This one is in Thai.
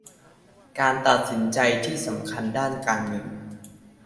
การตัดสินใจที่สำคัญด้านการเงิน